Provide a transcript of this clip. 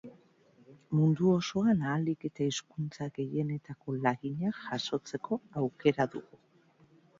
Mundu osoan ahalik eta hizkuntza gehienetako laginak jasotzeko aukera dugu.